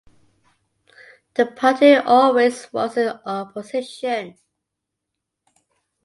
The party always was in opposition.